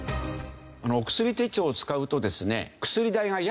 お薬手帳を使うとですね。